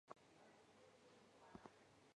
祖父陈鲁宾。